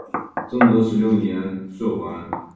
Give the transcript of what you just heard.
正德十六年赦还。